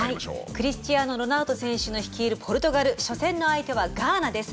クリスチアーノ・ロナウド選手率いるポルトガル初戦の相手はガーナです。